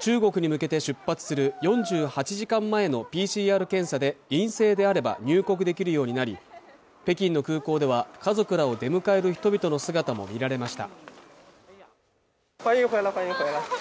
中国に向けて出発する４８時間前のＰＣＲ検査で陰性であれば入国できるようになり、北京の空港では家族らを出迎える人々の姿も見られました。